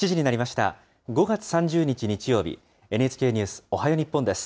５月３０日日曜日、ＮＨＫニュースおはよう日本です。